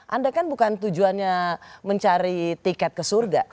anda kan bukan tujuannya mencari tiket ke surga